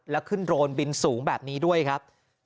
แล้วขึ้นโดรนบินสูงแบบนี้ด้วยครับ